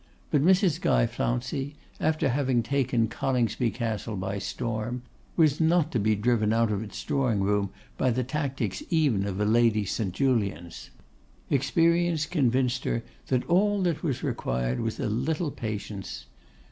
But Mrs. Guy Flouncey, after having taken Coningsby Castle by storm, was not to be driven out of its drawing room by the tactics even of a Lady St. Julians. Experience convinced her that all that was required was a little patience.